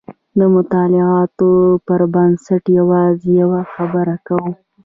د مطالعاتو پر بنسټ یوازې یوه خبره کوو.